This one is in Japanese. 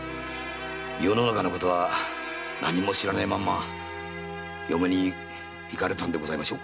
世の中のことは何も知らないまま嫁にいかれたんでございましょう。